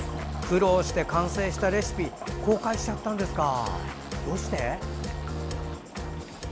苦労して完成したレシピ公開しちゃったんですか。